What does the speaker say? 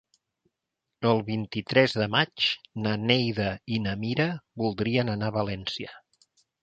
El vint-i-tres de maig na Neida i na Mira voldrien anar a València.